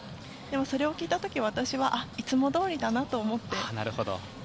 でも、それを聞いた時、私はいつもどおりだなと思って。